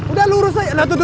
udah lurus aja